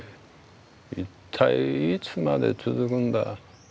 一体いつまで続くんだ。